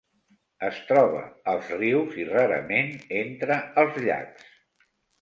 Es troba als rius i rarament entra als llacs.